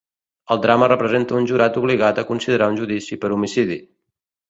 El drama representa un jurat obligat a considerar un judici per homicidi.